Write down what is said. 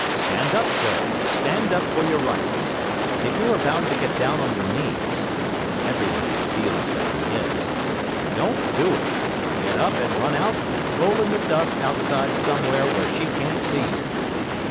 Stand up, sir, stand up for your rights. If you are bound to get down on your knees—and every man feels that he is—don't do it; get up and run out and roll in the dust outside somewhere where she can't see you.